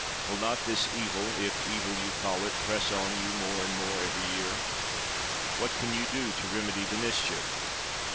Will not this evil — if evil you call it — press on you more and more every year? What can you do to remedy the mischief?